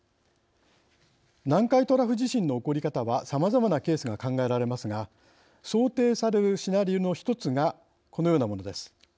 南海トラフ地震の起こり方はさまざまなケースが考えられますが想定されるシナリオの１つがこのようなものです。